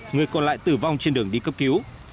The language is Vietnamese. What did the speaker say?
người còn lại tử vong trên đường đi cấp cứu